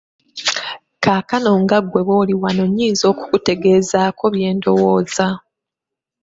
Kaakano nga ggwe bw'oli wano nnyinza okukutegeezaako bye ndowooza.